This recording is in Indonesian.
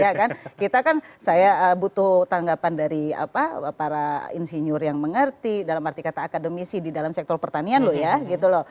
ya kan kita kan saya butuh tanggapan dari apa para insinyur yang mengerti dalam arti kata akademisi di dalam sektor pertanian loh ya gitu loh